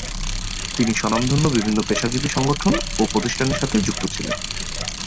তিনি স্বনামধন্য বিভিন্ন পেশাজীবী সংগঠন ও প্রতিষ্ঠানের সাথে যুক্ত ছিলেন।